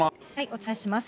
お伝えします。